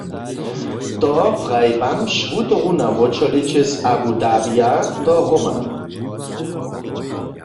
To praji bamž wutoru na wróćolěće z Abu Dhabija do Roma.